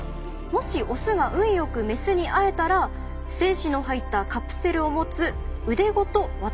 もしオスが運良くメスに会えたら精子の入ったカプセルを持つ腕ごと渡しているんですよ。